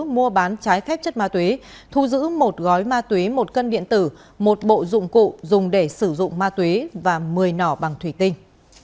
mua bán trái phép chất ma túy thu giữ một gói ma túy một cân điện tử một bộ dụng cụ dùng để sử dụng ma túy và một mươi nỏ bằng thủy tinh